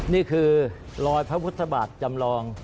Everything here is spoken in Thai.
นี่คือรอยพระพุทธบาทจำลอง